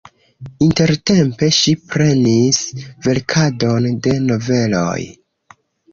Intertempe ŝi prenis verkadon de noveloj.